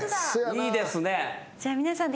いいですね。